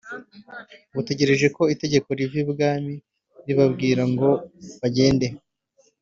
butegereje ko itegeko riva ibwami ribabwira ngo bagende.